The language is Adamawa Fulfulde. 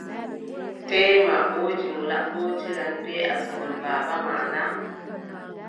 Teema woodi mo laɓɓotiran bee asngol baaba ma na ?